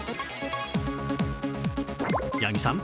八木さん